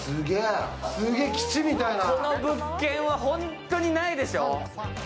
この物件はホントにないでしょう。